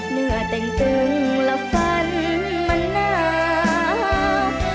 เนื้อแต่งตึงและฝันมะนาว